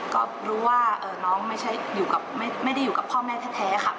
ก็รู้ว่าน้องไม่ได้อยู่กับพ่อแม่แท้ค่ะ